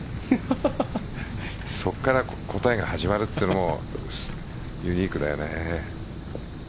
そこから答えが始まるというのもユニークだよね。